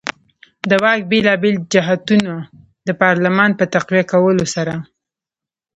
د واک بېلابېل جهتونه د پارلمان په تقویه کولو سره.